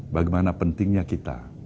bagaimana pentingnya kita